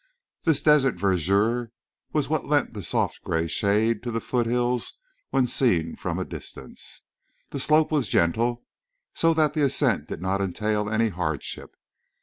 This desert verdure was what lent the soft gray shade to the foothill when seen from a distance. The slope was gentle, so that the ascent did not entail any hardship.